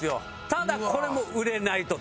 ただこれも売れないと。